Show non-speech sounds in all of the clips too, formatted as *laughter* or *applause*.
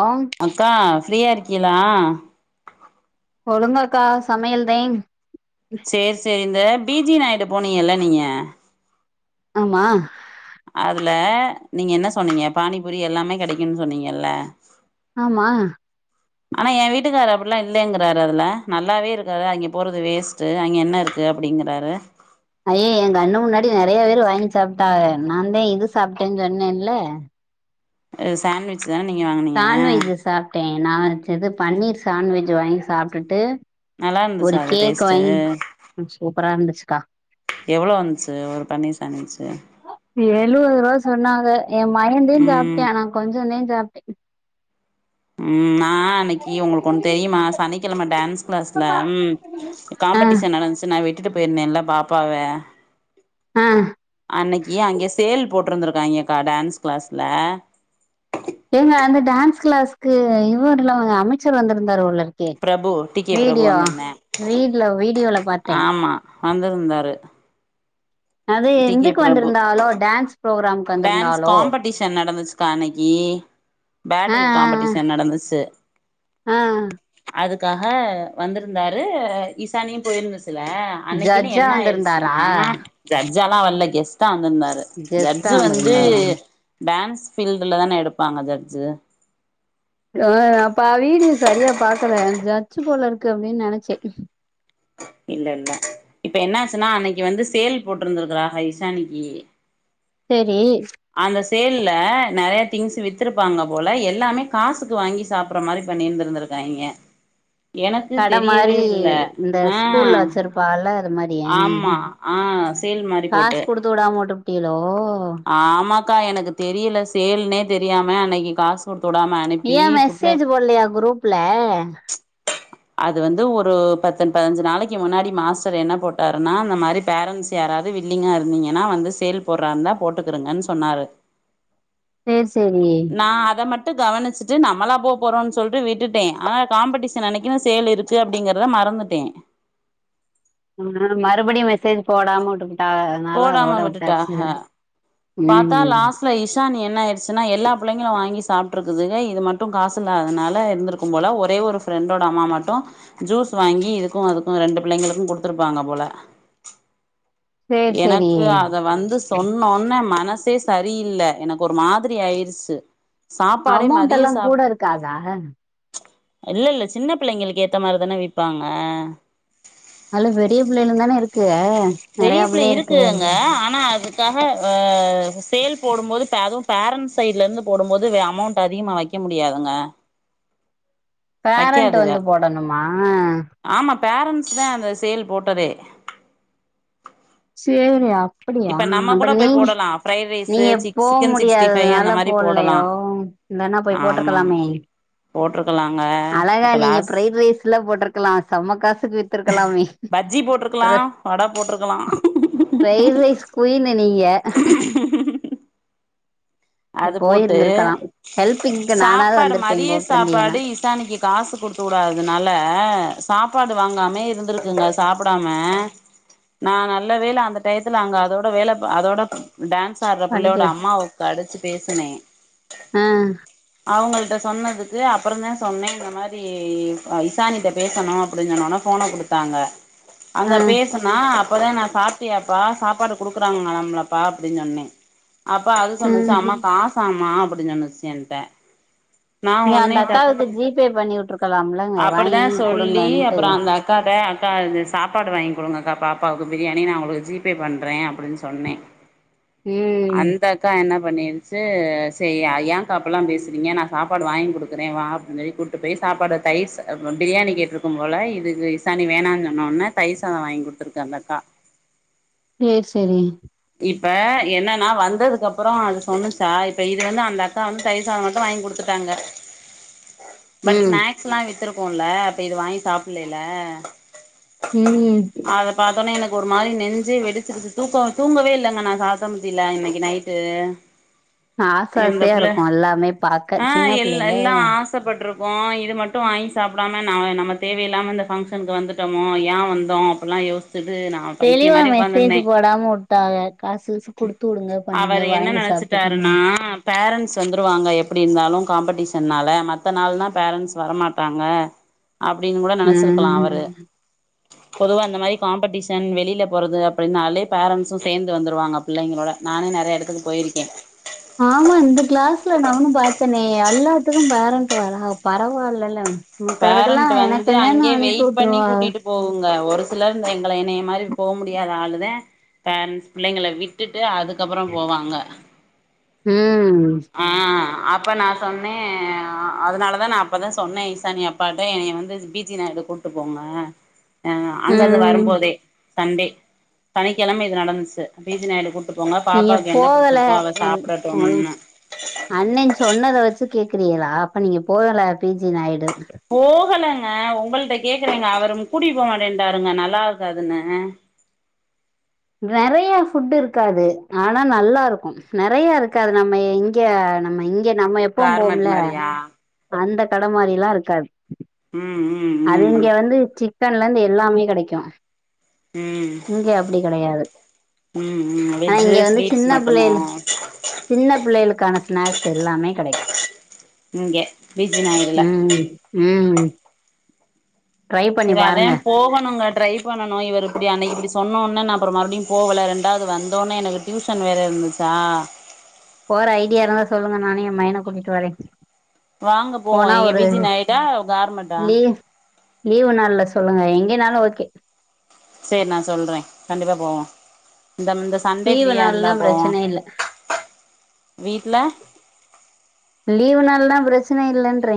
ஆ அக்கா ஃப்ரீயா இருக்கீயலா சொல்லுங்கக்கா சமையல்தேன் சேர் சேரி இந்த பீ ஜி நாயுடு போனீங்கல்ல நீங்க ஆமா அதுல நீங்க என்ன சொன்னீங்க பானிபூரி எல்லாமே கெடைக்குன் சொன்னீங்கல்ல ஆமா ஆனா ஏன் வீட்டுக்காரு அப்டிலா இல்லேங்கிறாரு அதுல நல்லாவே இருக்காது அங்கே போறது வேஸ்டு அங்கே என்ன இருக்கு கு அப்டிங்கறாரு ஐயே எங் கண்ணு முன்னாடி நறைய பேரு வாங்கி சாப்ட்டாக நா தே இது சாப்ட்டேன்னு சொன்னேல சாண்ட்விச் தான நீங்க வாங்குனீங்க சாண்ட்வெஜ் சாப்ட்டே நா வச்சது பன்னீர் சாண்ட்வெஜ் வாங்கி சாப்டுட்டு நல்லா ஒரு இருந்துச்சா அது கேக் டேஸ்ட்டு வாங்கி சூப்பரா இருந்துச்சுக்கா எவ்ளோ வந்ச்சு ஒரு பனீர் சாண்ட்வெஜ்சு எழுவது ரூவா சொன்னாக என் மயந்தே ம் சாப்ட்யான் நா கொஞ்சந்தே சாப்ட்டேன் ம்மா ஆ அன்னைக்கி உங்களுக்கு ஒண் தெரியுமா சனிக்கெழம டான்ஸ் கிளாஸ்ல ம் ஆ காம்படிஷன் நடந்ச்சு நா விட் விட்டிட்டு போயிருந்தேன்ல பாப்பாவ அ அன்னைக்கி அங்கே சேல் போட்ருந்திருக்காய்ங்கக்கா டான்ஸ் க்ளாஸ்ல ஏங்க அந்த டான்ஸ் கிளாஸ்க்கு இவருல்லா அமைச்சர் வந்திருந்தாரு போலருக் K Prabhu T K Prabhu video வந்திருந்தே வீடுல வீடியோல பாத்தே ஆமா வந்திருந்தாரு அது டி கே எந்துக்கு பிரபு வந்திருந்தாகலோ டான்ஸ் ப்ரோக்ராம் டான்ஸ் காம்படிஷன் நடந்துச்சுக்கா அன்னைக்கி ஆ ஆ பேட்டிரில் காம்படிஷன் நடந்துச்சு ஆ அதுக்காக வந்திருந்தாரு இசானியு போயிருந்து ல்ல அன்னைக்குன்னு ஜட்ஜா என்ன வந்திருந்தாரா ஆயிடுச்சுன்னா ஜட்ஜாலா வல்ல கெஸ்டா வந்திருந்தாரு ஜட்ஜ் கெஸ்ட்டா ஜட்ஜ் வந்து வந்திருந்தாரா டான்ஸ் ஃபீல்டுல தானே எடுப்பாங்க ஜட்ஜு ஆ அப்பா வீடியோ சரியா பாக்கல ஜ ட்ஜு போலருக்கு அப்டின் நெனச்சேன் இல்ல இல்ல இப்ப என்னாச்சுன்னா அன்னைக்கி வந்து சேல் போட்டிருந்திருக்கிறாக இசானிக்கி செரி அந்த சேல்ல நெறைய திங்ஸ் வித்திருப்பாங்க போல எல்லாமே காசுக்கு வாங்கி சாப்பற மாரி பண்ணிருந்திருந்திருக்காங்க எனக்கு கட தெரியவே மாரி இல்ல இந்த அ ஸ்கூல்ல வச்சிருப்பால அது மாரி ஆ ஆமா ஆ ஆ சேல் மாறி காசு போட்டு குடுத்து வுடாம வுட்டுப்புட்டியலோ ஆமாக்கா எனக்கு தெரியல சேல்னே தெரியாம அன்னைக்கு காசு கொடுத் து வுடம அனுப்பி ஏ புள்ள மெசேஜ் போடலையா குரூப்ல அது வந்து ஒரு பத்தன் பதினஞ்சு நாளைக்கு முன்னாடி மாஸ்டர் என்ன போட்டாருன்னா இன்ன மாறி பேரண்ட்ஸ் யாராவது வில்லிங்கா இருந்தீங்கன்னா வந் து சேல் போடறருந்தா போட்டுக்கருங்கன்னு சொன்னாரு சேர் சேரி ட்டு கவனிச்சுட்டு நம்மளா போ போறோம்னு சொல்லிட்டு விட்டுட்டே ஆனா காம்படிஷன் அன்னைக்குதா சேல் இருக்கு அப்படிங்கறத மற மறந்துட்டே ஆ மறுபடியும் மெசேஜ் போடாம உட்டுருக்கு டாவ அதனால அதோட போடாம விட்டாச்சு விட்டுட்டாக பாத்தா லாஸ்ட்ல இஷானிய என்ன ஆயிருச்சுன்னா எல்லா புள்ளைங்களும் வாங்கி சாப்டுருதுக்குகா இது மட்டும் காசுல்லாததுனால இருந்திருக்கும் போல ஒரே ஒரு ஃபிரண்டோட அம்மா மட்டு ஜூஸ் வாங்கி இதுக்கு அதுக்கு ரெண்டு புள்ளங்களுக்கும் குடுத்துருப்பாங்க போல சேரி சேரி எனக்கு அத வந்து சொன்னோன்னே மன சே சரியில்ல எனக்கு ஒரு மாதிரி ஆயிருச்சு சாப்பாடே அமௌண்ட் மதிய எல்லா கூட சாப் இருக்காதா இல்ல இல்ல சின்ன பிள்ளைங்களுக்கு ஏத்த மாரிதான விப்பாங்க அதுல பெரிய பிள்ளையலும் தான இருக்கு நெறைய பெரியப்பிள்ள பிள்ளை இருக்கு அங்க இருக்குல்ல ஆனா அது க்காக அ சேல் போடும்போது அதுவும் பேரண்ட்ஸ் சைட்ல இருந்து போடும்போது அமௌண்ட் அதிகமாக வைக்கும் முடியாதுங்க பேரண்ட் வைக்காதுக வந்து போடணுமா பேரன்ட்ஸ் தா அந்த சேல் போட்டதே செரியா அப்படியா இப்ப நம்ம அப்ப கூட போய் நீங்க போடலா ஃப்ரைட் ரைஸு நீங்க சிக் போ சிக்கன் சிக்ஸ்டி ஃபைவ் அந்த முடியாததுனால மாரி போடலா போட்லையோ இல்லன்னா போய் ஆமா போட்ருக்கலாமே போட்ருக்கலாங்க அழகா இப்ப நீங்க லாஸ் ஃபிரைட் ரைஸ் ல போட்டிருக்கலா செம்ம காசுக்கு வித்திருக்கலாமே பஜ்ஜி போட்ருக்கலா வட போட்ருக்கலாம் ஃப்ரைட் ரைஸ் குயினு நீங்க அது போட்டு போயிருந்திருக்கலா ஹெல்பிங்க்கு நானாவது சாப்பாடு வந்திருப்பேன் இங்க மதிய விட்டுருந்தீங்கன்னா சாப்பாடு இசானிக்கு காசு கொடுத்து வுடாதுனால சாப்பாடு வாங்கா மே‌ இருந்திருக்குங்க சாப்புடாம நா நல்ல வேல அந்த டயத்துல அங்க அதோட வேலைப அதோட டான்ஸ் ஆடுற பிள்ளையோட படிக்கிற அம்மாவுக்கு அடிச்சு பேசினே ஆ அவங்கள் ட சொன்னதுக்கு அப்புறம் தான் சொன்னேன் இந்த மாரி இசானிட்ட பேசணும் அப்படின்னு சொன்னோன ஃபோன கொடுத் தாங்க அங்க ஆ பேசனா அப் போதா நா சாப்ட்டியாப்பா சாப்பாடு கொடுக்குறாங்கலாம்லப்பா அப்படின்னு சொன்னே அப்ப அது சொன்னுச்சு ம் அம்மா *unintelligible* ம்மா அப்படின்னு சொன்னுச்சு ஏன்ட்ட நான் நீ ஒட்னே அந்த அக்காவுக்கு டக்குனு ஜிபே பண்ணி விட்டுருக்கலாம்லங்க வாங்கி அப்டித்தான் சொல்லி குடுங்கன்ட்டு அப்புற அந்த அக்காட்ட அக்கா து சாப்பாடு வாங்கி கொடுங்கக்கா பாப்பாவுக்கு பிரியாணி நா ஒங்களுக்கு ஜி பே பண்றே அப்படின்னு சொன்னேன் ம் அந்த அக்கா என்ன பண்ணிரு ச்சு செரி ஏங்க்கா அப்டிலாம் பேசுகிறீங்க நான் சாப்பாடு வாங்கி கொடுக்குறே வா அப்படின் சொல்லி கூட்டு போய் சாப்பாடு தயிச பிரியாணி கேட்டிருக்கும் போல இதுக்கு இசாணி வேணாம்ன்னு சொன்னோன்னே தயிர்சாதம் வாங்கி குடுத்துருக்கு அந்த அக்கா சே சரி இப்ப என்னன்னா வந்ததுக்கு அப்புரோ அது சொன்னுச்சா இப்ப இது வந்து அந்த அக்கா வந்து தையிர் சாதம் மட்டும் வாங்கி கொடுத்துட்ட தங்க *inaudible* பட் ஸ்னாக்ஸ்லா வித்துருக்குல அப்ப இத வாங்கி சாப்படலில ம் ஒரு மாரி நெஞ்சே வெடிச்சுருச்சு தூக்க தூங்கவே இல்லங்க நா சாப்ட முடில இன்னைக்கு நைட்டு ஆச இந்த ஆசையா புள்ள இருக்கு எல்லாமே பாக்க ஆ சின்ன எல் பிள்ளைல எல்லா ஆசப்பட்ருக் கு இது மட்டு வாங்கி சாப்டாம நா நம்ம தேவையில்லாம இந்த ஃபங்க்ஷனுக்கு வந்துட்டமோ ஏ வந்தோ அப்டிலா யோசி ச்ட்டு நா பைத்திய தெளிவா மாரி மெசேஜ் உக்காந்ருந்தே போடாம வுட்டாங்க காசு கீசு குடுத்து வுடுங்க பண்ணுங்க அவரு என்ன வாங்கி சாப்ட்டுக்கணு நெனச்சிட்டாருனா பேரண்ட்ஸ் வந்துருவாங்க எ ப்டி இருந்தாலு காம்படிஷன்னால மத்த நாள்னா பேரண்ஸ் வரமாட்டாங்க அப்படினு கூட நெனைச்சிருக்கலா அவரு ம் பொதுவா இந்த மாரி காம்படிஷன் வெளில போறது அப்டினாலே பேரன்ஸு சேந்து வந்துருவாங்க பிள்ளைங்களோட நானே நறைய எடத்துக்கு போயிருக்கே ஆமா இந்த இதுக்கு பேரன்ட் வராக பரவால்லல பேரண்ட் வந்து அங்கேயே வெயிட் பண்ணி வுட்டுருவா கூட்டிட்டு போகுங்க ஒரு சிலர் எங்கள எனைய மாரி போ முடியாத ஆளுதே பேரண்ட்ஸ் பிள்ளைங்கள விட்டுட்டு அதுக்கப்புற போவாங்க ம் ஆ அப்ப நா சொன்னே அதனாலதா நா அப்பதா சொன்னே ஈசானி அப்பாட்ட எனையே வந்து பி ஜி நாய் டுக்கு கூட்டு போங்க அங்கருந்து ம் வரும்போதே சண்டே சனிக்கெழம இது நடந்துச்சு P G Naidu Koot to போங்க நீங்க பாப்பாவுக்கு என்ன பிடிச்சிருக்கோ அவ சாப்டட்டும்னு அன்னக்கி சொன்னத வச்சு கேக்கறிகளா அப்ப நீங்க போகல பி ஜி நாயுடு போகல ஆ உங்கள்ட கேக்கறேங்க அவரு கூட்டிட் போ மாட்டேருன்ட்டாங்க நல்லாருக்காதுன்னு நறைய ஃபுட் இருக்காது ஆனா நல்லாருக்கு நிறையா இருக்காது நம்ம இங்க இப்ப நம்ம இங்க நம்ம எப்பவும் கார்மெண்ட் போம்ல மாரியா அந்த கட மாரிலா இருக்காது ம் ம் அது ம் இங்க வந்து சிக்கன்ல இருந்து எல்லாமே கெடைக்கு ம் இங்க அப்டி கெடையாது ம் ம் ஆனா வெஜ்ஜு இங்க வந்து ஸ்வீட்ஸ் சின்ன மட்டுமோ பிள்ளைகள் சின்ன பிள்ளைகளுக்கான ஸ்நாக்ஸ் எல்லாமே கெடைக்கு இங்க பீச்சி நாயுடுல ம் ம் ட்ரை பண்ணி சரி அதே பாருங்க போகணுங்க ட்ரை பண்ணணு இவர் இப்படி அன்னைக்கு இப்படி சொன்னொன் ன நா அப்பற மறுபடியு போகல ரெண்டாது வந்தோனே எனக்கு டியூஷன் வேற இருந்துச்சா போற ஐடியா இருந்தா சொல்லுங்க நானு எ மையன கூட்டிட்டு வரே வாங்க போவோ போனா எங்க ஒரு பி ஜி நாயுடா கார்மெட்டா லீவு் நாள்ல சொல்லுங்க எங்கேனாலு ஓகே சரி நா சொல்றே கண்டிப்பா போவோ இந்த இந்த சண்டே லீவு ஃப்ரீயா இருந்தா நாள்னா போவோ பிரச்சன இல்ல வீட்ல லீவு நாள்னா பிரச்சனை இல்லேன்ற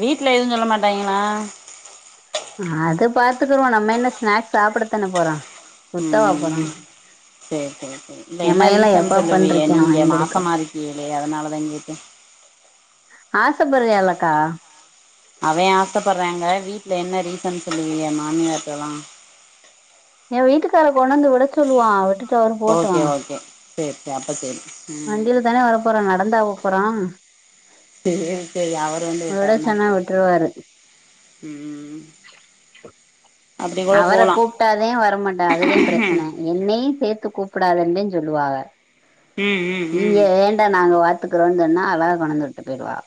வீட்ல எது சொல்ல மாட்டாய்ங்ளா அது பாத்துக்ருவோ நம்ம என்ன ஸ்நாக்ஸ் சாப்படத்தான போறோ சுத்தவா போறோ சேர் சேர் சேர் இல்ல எ என்ன மயலா ரீசன் எப்ப சொல்லுவீக எப்பன்ருக்கியா வாங்கி நீங்க குடுக்க மாசமா இருக்கீகலே அதனாலதாங் கேட்டே ஆசைப்படறீகலக்கா அவ ஆசப்படறாங்க வீட்ல என்ன ரீசன் சொல்லுவீக மாமியார்ட்டலா எ வீட்டுக்கார கொண்டந்து விட சொல்லுவா விட்டுட்டு அவுரு போட்டு சேர் சேரி அப்ப செரி வண்டில தானே வர போறோ நடந்தா போ போறோ சேரி சேரி அவரு வந்து விட விட்டாருனா சொன்னா சேரி விட்ருவாரு ம் அப்படி கூட அவர போகலாம் கூப்ட்டாதே வரமாட்டா அதுதே ப்ரச்சன என்னை சேத் து கூப்பிடாதேன்தே சொல்லுவாக ம் ம் நீங்க ம் வேண்டா நாங்க வாத் துக்குறோன் சொன்னா அழகா கொண்டந்து விட்டு போயிருவா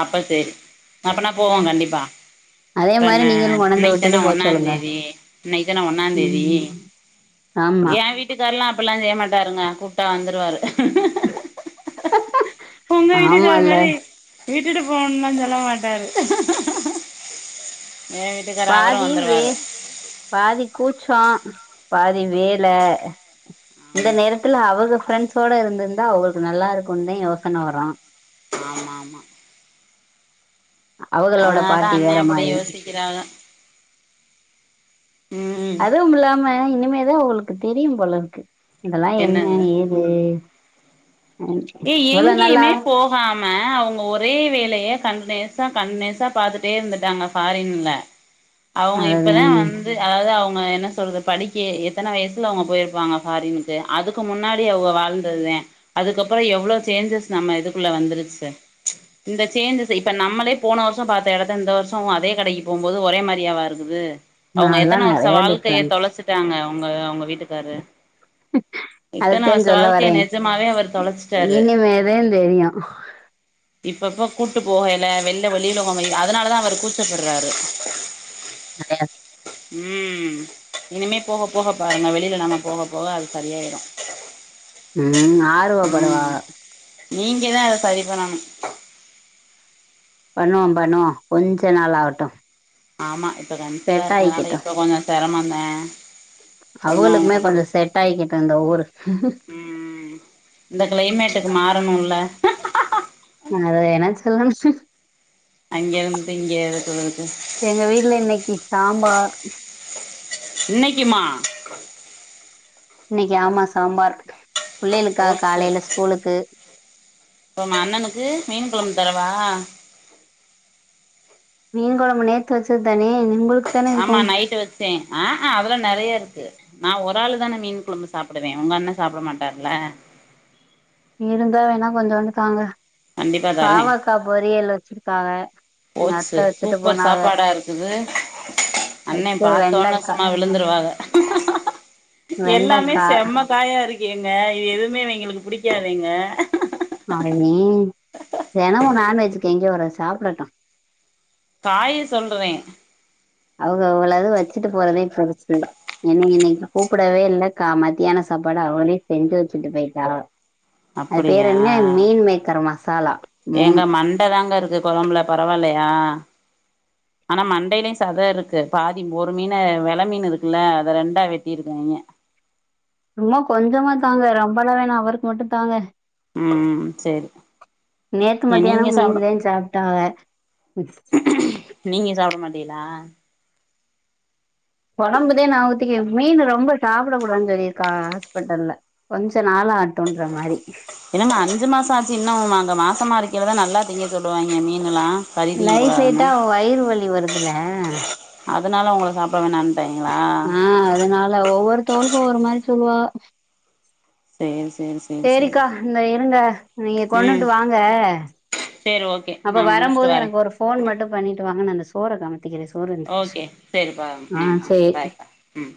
அப்ப சேரி அப்பனா போவோ கண்டிப்பா அதே மாரி தண்ண நீங்களு கொண்டாந்து இன்னைக்கி விட்டுட்டு தானே போ சொல்லுங்க ஒன்னாந்தேதி இன்னைக்கி தானே ஒன்னாந்தேதி ம் ஆமா ஏ வீட்டுக்காரெல்லா அப்பெல்லா செய்ய மாட்டாருங்க கூப்ட்டா வந்துருவாரு உங்க வீட்டுக்கார ஆமால்லே மாதிரி விட்டுட்டு போன்லா சொல்ல மாட்டாரு என் வீட்டுக்கார அவரும் பாதி வே வந்துருவாரு பாதி கூச் சோ பாதி வேல இந்த நேரத்துல அவக ஃப்ரெண்ட்ஸோட இருந்திருந்தா அவகளுக்கு நல்லா இருக்குன்தே யோசன வரு ஆமா ஆமா அவங்களோட அதனாலதா பார்ட்டி அண்ணே வேற இப்டி மாரி யோசிக்கிறாக அதுவும் இல்லாம இனிமேதா அவுகளுக்கு தெரியும் போலருக்கு இதெல்லா என்ன என்னது ஏது ஏ இவ்வளோ நாளா எங்கேயுமே போகாம அவங்க ஒரே வேலைய கண்ட்னியூ சா கண்ட்னேசா பாத்துட்டே இருந்துட்டாங்க ஃபாரின்ல அவங்க அதுதே இப்பதா வந்து அதாவ்து அவ் ம என்ன சொல்றது படிக்கே எத்தன வயசுல அவங்க போயிருப்பாங்க ஃபாரின்கு அதுக்கு முன்னாடி அவக வாழ்ந்ததுதே அ அதுக்கப்புற எவ்ளோ சேஞ்சஸ் நம்ம இதுக்குள்ள வந்துருச்சு இந்த சேஞ்சஸ் இப்ப நம்மளே போன வருஷோ பாத்த எடத்த இந்த வருஷோ அதே கடைக்கு போம்போது ஒரே மாரியாவா இருக்குது அவுங்க நால்லா எத்தன வருஷ நெறைய வாழ்க்கைய டிஃப்ரென்ஸ் தொலைச்சிட்டாங்க உங்க உங்க வீட்டுக்காரு இத்தன அதத்தேன் வருஷ சொல்ல வாழ்க்கைய வரே நெஜமாவே அவர் தொலச் இனிமேதே தெரியு இப்பப்ப கூட்டு போகயில வெள்ள வெளியில போங்கையி அதனாலதா அவரு கூச்சப்பட்றாரு கடையாதே ம் இனிமே போக போக பாருங்க வெளில நாம போக போக அது சரியாயிரு ம் ஆர்வ படுவாக நீங்கதா அத சரி பண்ணணு பண்ணுவோ பண்ணுவோ கொஞ்ச நாள் ஆகட்டு ஆமா இப்ப கன்சிவா செட் இருக்கனால ஆயிக்கிட்டு இப்ப கொஞ்ச சரமந்தே கொஞ்சோ அவங்களுக்குமே உங்களுக்கு கொஞ்சோ செட் ஆயிக்கிட்டு இந்த ஊரு ம் ம் ம் இந்த க்ளைமேட்டுக்கு மாறணூல நா அத என்னான் சொல்லச்சு அங்கேருந்து இங்கே எடுத்து வறது எங்க வீட்ல இன்னைக்கி சாம்பார் இன்னைக்கிமா இன்னைக்கி ஆமா சாம்பார் பிள்ளைகளுக்கா காலையில ஸ்கூலுக்கு பம் அண்ணனுக்கு மீன் கொழும் தரவா ன் கொழம்பு நேத்து வச்சத்தானே ஆமா நைட்டு வச்சே ஆ ஆ அவுக நெறைய இருக்கு நா ஒரு ஆளு தானே மீன் குழும்பு சாப்டுவே உங்கண்ண சாப்ட மாட்டாருல இல்ல இருந்தா வேணா கொஞ்சோண்டு தாங்க கண்டிப்பா தரே பாவக்கா பொரியல் வச்சிருக்காக போச்சு சூப்பர் சாப்பாடா இருக்குது அண்ணே அடுத்து பாத்தோன்னே வெண்டக்கா சும்மா விழுந்துருவாக எல்லாமே வெண்டக்கா செம்ம காயா இருக் ஏங்க இது எதூமே இவிங்களுக்கு புடிக்காதேங்க அர நீ தெனமு நான்வெஜ்ஜுக்கு எங்கே வர சாப்டட்டு காய சொல்றே அவுங்க அவ்ளாது வச்சுட்டு போறதே *unintelligible* என்ன இன்னைக்கு கூப்பிடவே இல்லக்கா மத்தியான சாப்பாடு அவளே செஞ்சு வச்சுட்டு போயிட்டா அது பெர் என்ன மீன் மேக்கர் மஸ் எங்க மண்டதாங்க இருக்கு குழம்புல பரவாயில்லையா ஆனா மண்டையிலயு சத இருக்கு பாதி ஒரு மீன வெல மீன் இருக்குல்ல அத ரெண்டா வெட்டி இருக்க ரொம்ப கொஞ்சமா தாங்க ரொம்பளா வேணா அவருக்கு மட்டு தாங்க ம் சேரி நேத்து ஏ மத்தியான நீங்க சாப்ட மீன்தா சாப்ட்டாக நீங்க சாப்பிட மாட்டிலா கொழம்புதே நா ஊத்தே மீன் ரொம்ப சாப்பிட கூடாதுனு சொல்லிருக்காவ ஹாஸ்பிட்டல்ல கொஞ்ச நாள் ஆட்டுன்ற மாரி என்னம்மா அஞ்சு மாச ஆச்சு இன்னும் அங்க மாசமா இருக்கேளதா நல்லாத்தீங்க சொள்வாங்க மீன் எல்லா லைட் லைட்டா வயிறு வலி வருதுல அதனால உங்கள சாப்பிட வேணா ஆ அதனால ஒவ்வொருத்ருக்கு ஒவ்வொரு மாரி சொல்லுவா செரி சேரிக்கா இந்த இருங்க நீங்க ம் கொண்டுட்டு வாங்க சேரி ஓகே அப்ப நா வர முடிச்சுட்டு போது வரே எனக்கு ஒரு ஃபோன் மட்டு பண்ணிட்டு வாங்கன்னு சொ ஓகே சரிப்பா ம் ஆ சேரி பாய் ம்